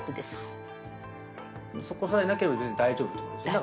そこさえなければ大丈夫ってことですよね。